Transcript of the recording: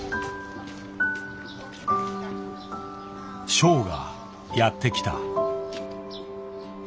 ショウがやって来た。